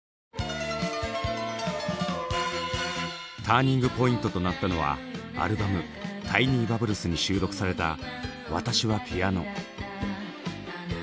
ターニングポイントとなったのはアルバム「タイニイ・バブルス」に収録された「私はピアノ」。